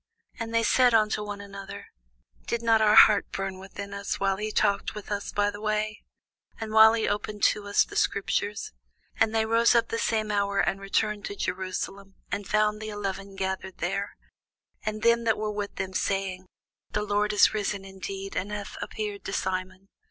And they said one to another, Did not our heart burn within us, while he talked with us by the way, and while he opened to us the scriptures? And they rose up the same hour, and returned to Jerusalem, and found the eleven gathered together, and them that were with them, saying, The Lord is risen indeed, and hath appeared to Simon.